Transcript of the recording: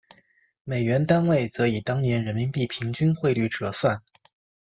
美元单位则以当年人民币平均汇率折算。